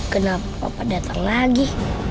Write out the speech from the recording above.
kenapa papa datang lagi